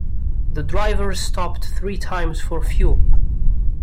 The drivers stopped three times for fuel.